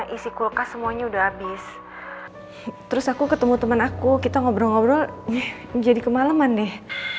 isi kulkas semuanya udah habis terus aku ketemu teman aku kita ngobrol ngobrol jadi kemaleman deh